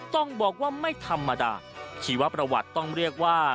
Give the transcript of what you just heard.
ต้องบอกว่าไม่ธรรมดาชีวประวัติต้องเรียกว่า